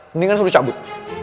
mendingan suruh cabut